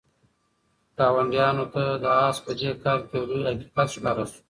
ګاونډیانو ته د آس په دې کار کې یو لوی حقیقت ښکاره شو.